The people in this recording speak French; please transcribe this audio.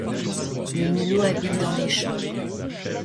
Le mulot habite dans les champs